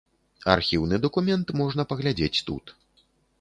Архіўны дакумент можна паглядзець тут.